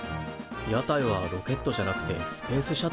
屋台はロケットじゃなくてスペースシャトルだぞ。